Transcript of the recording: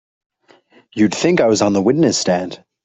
You'd think I was on the witness stand!